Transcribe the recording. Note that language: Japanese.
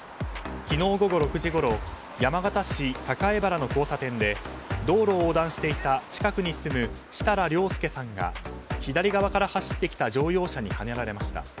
昨日午後６時ごろ山形市栄原の交差点で道路を横断していた近くに住む設楽良助さんが左側から走ってきた乗用車にはねられました。